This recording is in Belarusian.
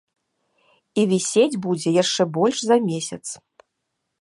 І вісець будзе яшчэ больш за месяц.